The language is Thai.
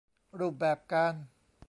รูปแบบการ